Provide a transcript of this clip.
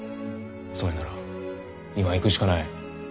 それなら今行くしかない。